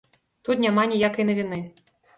Тут няма ніякай навіны.